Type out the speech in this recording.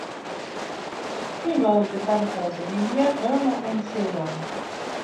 He wrote "The butterflies of India, Burmah and Ceylon".